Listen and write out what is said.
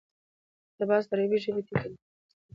اقتباس: د عربي ژبي ټکى دئ.